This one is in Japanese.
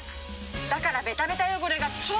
だからベタベタ汚れが超取れる。